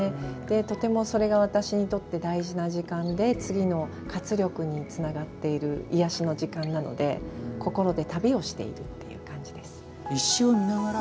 とてもそれが私にとって大事な時間で次の活力につながっている癒やしの時間なので心で旅をしているという感じです。